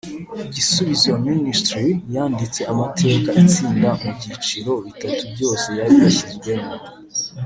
Gisubizo Ministries yanditse amateka itsinda mu byiciro bitatu byose yari yashyizwemo